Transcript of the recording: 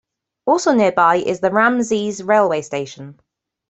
Also nearby is the Ramses Railway Station.